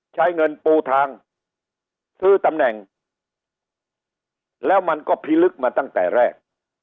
ใช้เงินปูทางซื้อตำแหน่งแล้วมันก็พิลึกมาตั้งแต่แรก